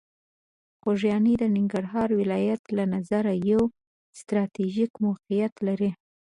خوږیاڼي د ننګرهار ولایت له نظره یوه ستراتیژیکه موقعیت لري.